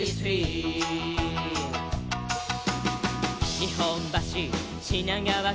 「日本橋品川川崎」